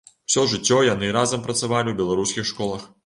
Усё жыццё яны разам працавалі ў беларускіх школах.